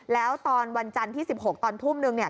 แล้วตอนวันจันทร์ที่๑๖ตอนทุ่มนึง